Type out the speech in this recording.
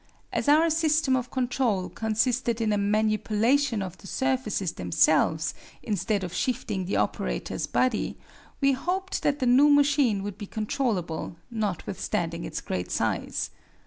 As our system of control consisted in a manipulation of the surfaces themselves instead of shifting the operator's body, we hoped that the new machine would be controllable, notwithstanding its great size.